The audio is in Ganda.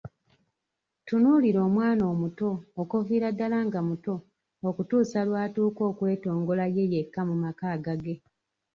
Tunuulira omwana omuto, okuviira ddala nga muto, okutuusa lwatuuka okwetongola ye yekka mu maka agage.